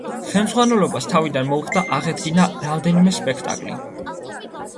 ხელმძღვანელობას თავიდან მოუხდა აღედგინა რამდენიმე სპექტაკლი.